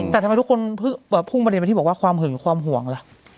แต่ทำไมทุกคนพุ่งประเด็นไปที่บอกว่าความหึงความห่วงล่ะ